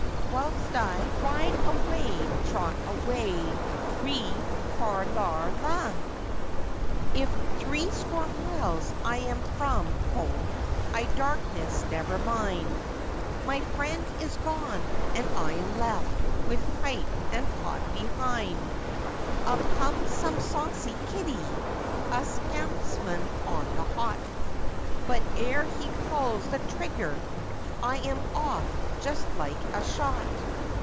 Whilst I ride away, &c. If threescore miles I am from home, I darkness never mind, My friend is gone, and I am left, with pipe and pot behind; Up comes some saucy kiddy, a scampsman on the hot, But ere he pulls the trigger I am off just like a shot.